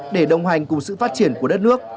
để đồng hành cùng sự phát triển của đất nước